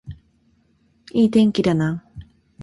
いい天気だな